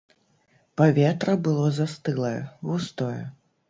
Паветра было застылае, густое.